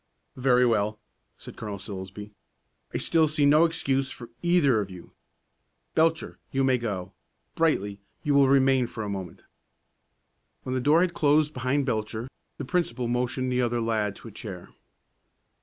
"Very well," said Colonel Silsbee. "I still see no excuse for either of you. Belcher, you may go. Brightly, you will remain for a moment." When the door had closed behind Belcher, the principal motioned the other lad to a chair.